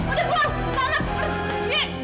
udah pulang kesana